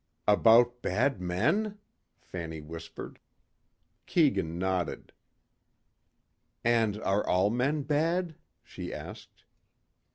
"About bad men?" Fanny whispered. Keegan nodded. "And are all men bad?" she asked.